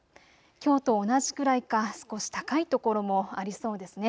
きょうと同じくらいか少し高い所もありそうですね。